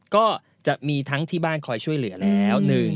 ก็จะมีทั้งที่บ้านคอยช่วยเหลือแล้ว